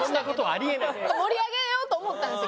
盛り上げようと思ったんですよ